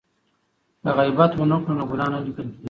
که غیبت ونه کړو نو ګناه نه لیکل کیږي.